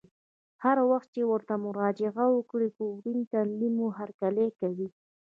هر وخت چې ورته مراجعه وکړه په ورین تندي مو هرکلی کوي.